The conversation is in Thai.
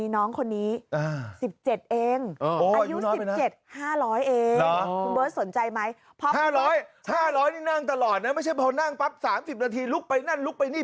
๕๐๐นี่นั่งตลอดนะไม่ใช่พอนั่งปั๊บ๓๐นาทีลุกไปนั่นลุกไปนี่